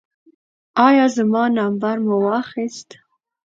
ایا زما نمبر مو واخیست؟